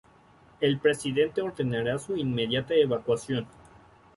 El Presidente ordenará su inmediata evacuación.